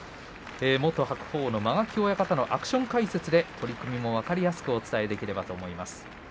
元白鵬の間垣親方のアクション解説で取組を分かりやすく伝えていければと思います。